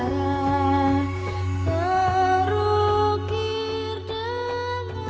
merukir dengan hatimu